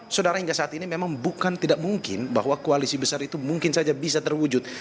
saudara hingga saat ini memang bukan tidak mungkin bahwa koalisi besar itu mungkin saja bisa terwujud